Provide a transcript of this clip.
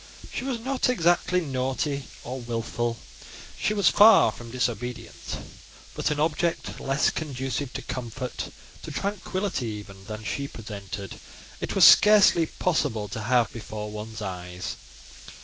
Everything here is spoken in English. She was not exactly naughty or wilful: she was far from disobedient; but an object less conducive to comfort—to tranquillity even—than she presented, it was scarcely possible to have before one's eyes.